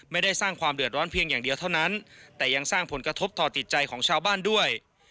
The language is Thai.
ไม่ได้สร้างความเดือดร้อนเพียงอย่างเดียวเท่านั้นแต่ยังสร้างผลกระทบต่อติดใจของชาวบ้านด้วย